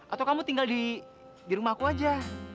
atau kamu tinggal di rumah aku aja